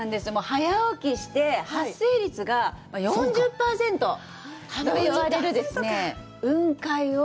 早起きして、発生率が４０％といわれる雲海を。